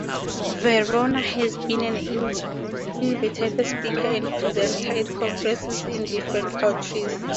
Varona has been an invited speaker and presenter at conferences in different countries.